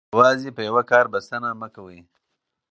یوازې په یوه کار بسنه مه کوئ.